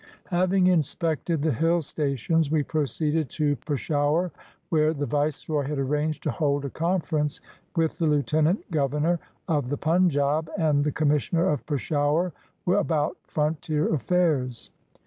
Having inspected the "Hill stations," we proceeded to Peshawar, where the Viceroy had arranged to hold a con ference with the lieutenant governor of the Punjab and the commissioner of Peshawar about frontier affairs.